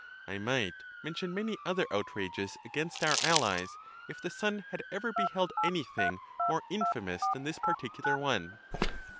I might mention many other outrages against our allies, if the sun had ever beheld anything more infamous than this particular one.